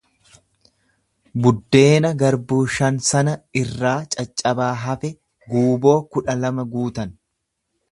Buddeena garbuu shan sana irraa caccabaa hafe guuboo kudha lama guutan.